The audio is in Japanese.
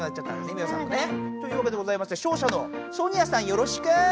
ミオさんもね。ということでございまして勝者のソニアさんよろしく！